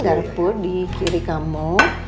garpu di kiri kamu